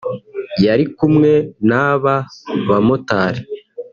yari kumwe n’aba bamotari